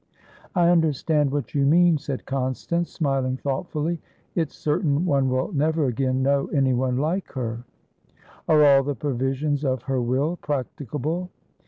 "I understand what you mean," said Constance, smiling thoughtfully. "It's certain one will never again know anyone like her." "Are all the provisions of her will practicable?"